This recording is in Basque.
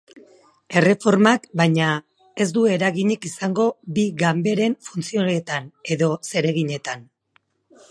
Erreformak, baina, ez du eraginik izango bi ganberen funtzioetan edo zereginetan.